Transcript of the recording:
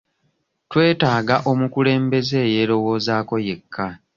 Twetaaga omukulembeze eyerowozaako yekka?